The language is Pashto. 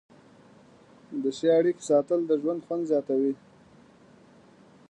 د ښې اړیکې ساتل د ژوند خوند زیاتوي.